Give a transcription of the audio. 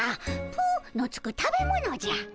「ぷ」のつく食べ物じゃ。